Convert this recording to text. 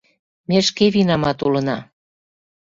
Ме шке винамат улына.